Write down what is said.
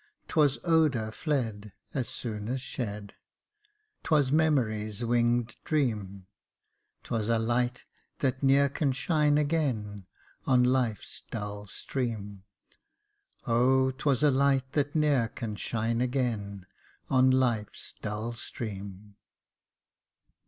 'Twas odour fled As soon as shed, 'Tv,?as memory's winged dream. 'Twas a light that ne'er can shine again On life's dull stream ; O 1 'twas a light that ne'er can shine again On life's dull stream."